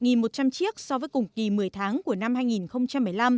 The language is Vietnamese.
một trăm linh chiếc so với cùng kỳ một mươi tháng của năm hai nghìn một mươi năm